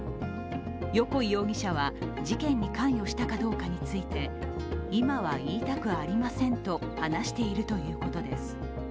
横井容疑者は、事件に関与したかどうかについて今は言いたくありませんと話しているということです。